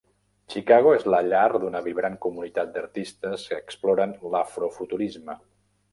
Chicago és la llar d'una vibrant comunitat d'artistes que exploren l'afro-futurisme.